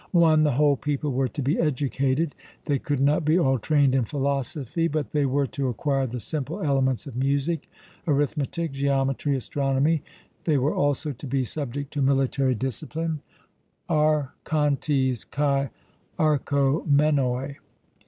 (1) The whole people were to be educated: they could not be all trained in philosophy, but they were to acquire the simple elements of music, arithmetic, geometry, astronomy; they were also to be subject to military discipline, archontes kai archomenoi.